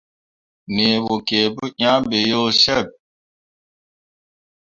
Nii bo kǝǝ pu yah be yo ceɓ.